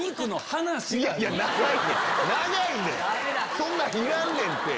そんなんいらんねんて！